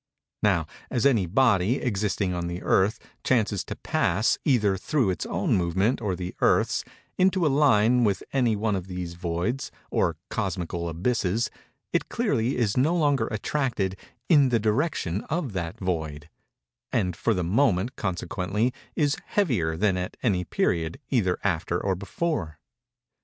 Now as any body, existing on the Earth, chances to pass, either through its own movement or the Earth's, into a line with any one of these voids, or cosmical abysses, it clearly is no longer attracted in the direction of that void, and for the moment, consequently, is "heavier" than at any period, either after or before.